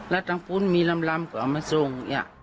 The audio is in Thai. แล้วทางฟุ้นมีลำก็เอามาส่ง